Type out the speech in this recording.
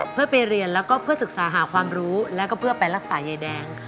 เพื่อไปเรียนแล้วก็เพื่อศึกษาหาความรู้แล้วก็เพื่อไปรักษายายแดง